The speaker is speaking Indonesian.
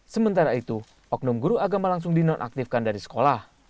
sementara itu oknum guru agama langsung dinonaktifkan dari sekolah